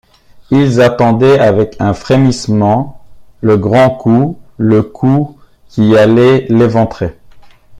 Ils attendaient avec un frémissement le grand coup, le coup qui allait l’éventrer.